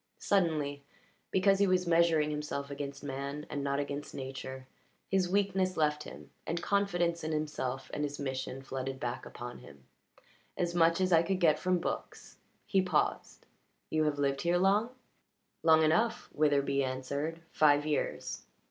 Suddenly, because he was measuring himself against man and not against Nature, his weakness left him, and confidence in himself and his mission flooded back upon him. "As much as I could get from books." He paused. "You have lived here long?" "Long enough," Witherbee answered. "Five years."